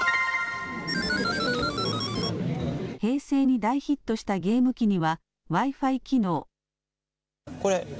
平成に大ヒットしたゲーム機には、Ｗｉ−Ｆｉ機能。